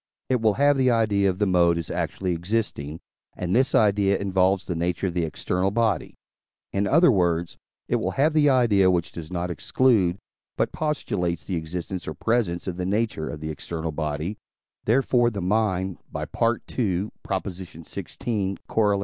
it will have the idea of the mode as actually existing, and this idea involves the nature of the external body. In other words, it will have the idea which does not exclude, but postulates the existence or presence of the nature of the external body; therefore the mind (by II. xvi., Coroll.